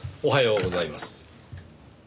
おはようございます。